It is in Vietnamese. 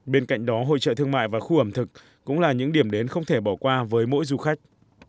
bên cạnh đó hội trợ thương mại và khu ẩm thực cũng là những điểm đến không thể bỏ qua với mỗi du khách